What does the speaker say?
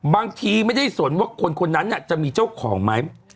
บางทีไม่ได้สนว่าคนคนนั้นจะมีเจ้าของไหม